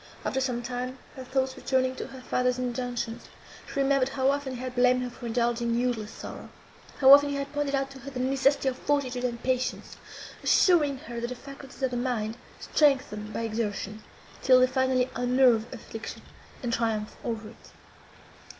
After some time, her thoughts returning to her father's injunctions, she remembered how often he had blamed her for indulging useless sorrow; how often he had pointed out to her the necessity of fortitude and patience, assuring her, that the faculties of the mind strengthen by exertion, till they finally unnerve affliction, and triumph over it.